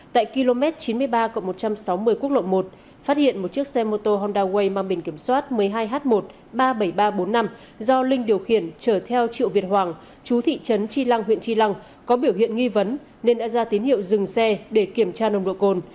tại km chín mươi ba một trăm sáu mươi quốc lộ một phát hiện một chiếc xe mô tô honda way mang biển kiểm soát một mươi hai h một ba mươi bảy nghìn ba trăm bốn mươi năm do linh điều khiển trở theo triệu việt hoàng chú thị trấn tri lăng huyện tri lăng có biểu hiện nghi vấn nên đã ra tín hiệu dừng xe để kiểm tra nồng độ cồn